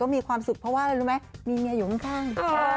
มีความสุขเพราะมีเมียอยู่ข้าง